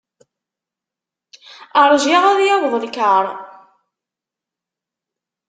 Rjiɣ ad d-yaweḍ lkar.